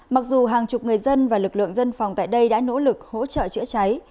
mặc dù hàng chục người dân và lực lượng dân phòng tại đây đã nỗ lực hỗ trợ chữa cháy